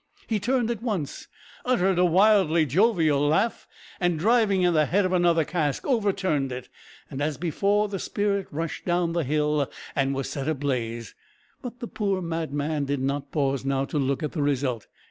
He turned at once, uttered a wildly jovial laugh, and driving in the head of another cask, overturned it. As before, the spirit rushed down the hill and was set ablaze, but the poor madman did not pause now to look at the result.